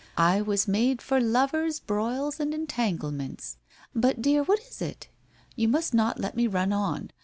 I was made for lovers broils and entanglements. But dear, what is it? You must not let me run on.